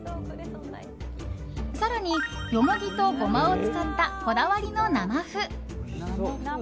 更に、ヨモギとゴマを使ったこだわりの生麩。